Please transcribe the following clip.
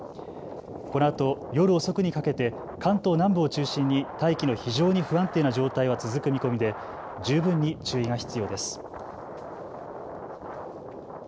このあと夜遅くにかけて関東南部を中心に大気の非常に不安定な状態は続く見込みで十分に注意が必要です。